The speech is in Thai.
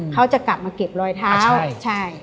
เขาจะกลับมาเก็บรอยเท้าใช่